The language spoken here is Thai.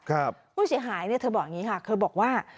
ผู้เสียหายเนี่ยเธอบอกอย่างนี้ค่ะเธอบอกว่า